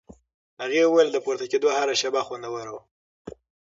هغې وویل د پورته کېدو هره شېبه خوندوره وه.